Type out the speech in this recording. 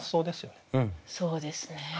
そうですね。